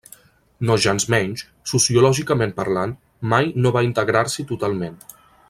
Nogensmenys, sociològicament parlant, mai no va integrar-s'hi totalment.